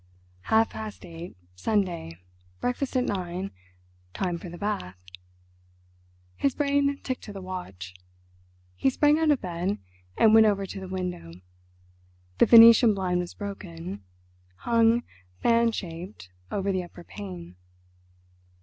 "Half past eight, Sunday, breakfast at nine—time for the bath"—his brain ticked to the watch. He sprang out of bed and went over to the window. The venetian blind was broken, hung fan shaped over the upper pane....